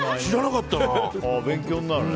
勉強になるね。